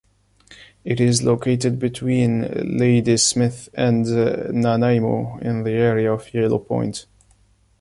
It is located between Ladysmith and Nanaimo in the area of Yellow Point.